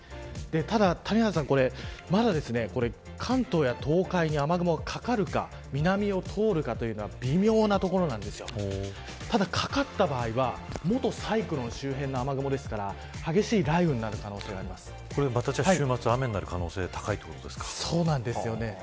ただ、谷原さんこれまだ関東や東海に雨雲がかかるか南を通るかは微妙なところなんですがただ、かかった場合は元サイクロン周辺の雨雲ですから激しい雷雨になる可能性がまた週末は雨になる可能性がそうなんですよね。